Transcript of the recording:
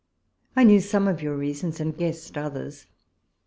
I knew some of your reasons, and guessed others.